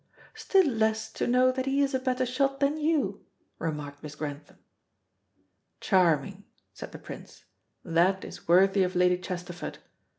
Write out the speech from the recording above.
"Still less to know that he is a better shot than you," remarked Miss Grantham. "Charming," said the Prince; "that is worthy of Lady Chesterford.